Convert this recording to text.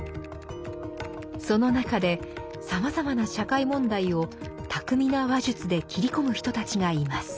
その中でさまざまな社会問題を巧みな話術で切り込む人たちがいます。